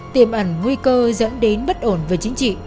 tiềm ẩn nguy cơ dẫn đến bất ổn về chính trị